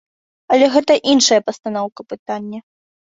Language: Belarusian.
Але гэта іншая пастаноўка пытання.